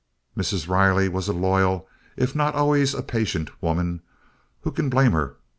Mrs. Riley was a loyal, if not always a patient, woman who can blame her?